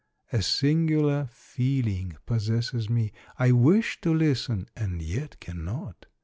A singular feeling possesses me. I wish to listen, and yet cannot.